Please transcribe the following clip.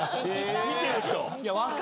見てる人。